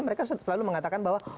mereka selalu mengatakan bahwa